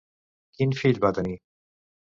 Quin fill va tenir?